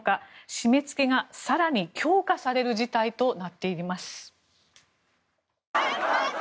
締め付けが更に強化される事態となっています。